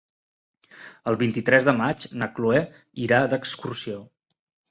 El vint-i-tres de maig na Chloé irà d'excursió.